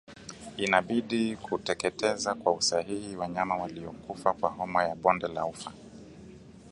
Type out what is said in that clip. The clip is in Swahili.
Inabidi kuteketeza kwa usahihi wanyama waliokufa kwa homa ya bonde la ufa